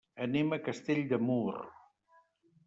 Anem a Castell de Mur.